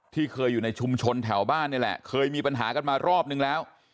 ที่เคยอยู่ในชุมชนแถวบ้านนี่แหละเคยมีปัญหากันมารอบนึงแล้ว